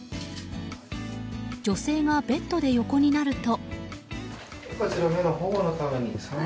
女性がベッドで横になると。